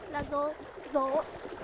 là dỗ dỗ ổng